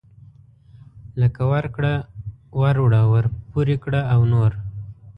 لکه ورکړه وروړه ورپورې کړه او نور.